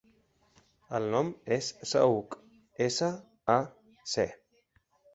El nom és Saüc: essa, a, ce.